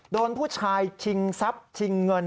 โดนผู้ชายชิงทรัพย์ชิงเงิน